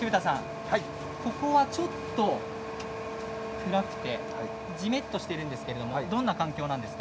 ここはちょっと暗くてじめっとしているんですけれどどんな環境なんですか？